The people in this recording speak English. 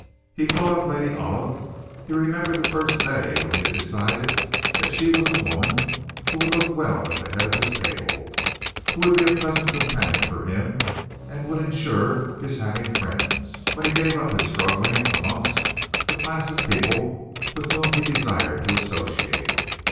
He thought of Lady Olive. He remembered the first day when he had decided that she was the woman who would look well at the head of his table, who would be a pleasant companion for him, and would insure his having friends, when he gave up his struggling, amongst, the class of people with whom he desired to associate.